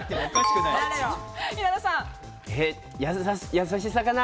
優しさかな。